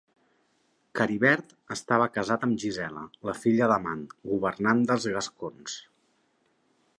Caribert estava casat amb Gisela, la filla d'Amand, governant dels gascons.